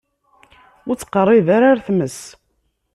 Ur ttqeṛṛib ara ar tmes.